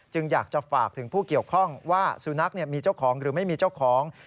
อยากจะฝากถึงผู้เกี่ยวข้องว่าสุนัขมีเจ้าของหรือไม่มีเจ้าของ